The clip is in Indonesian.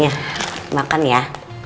nih makan ya